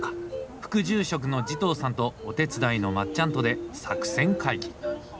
副住職の慈瞳さんとお手伝いのまっちゃんとで作戦会議。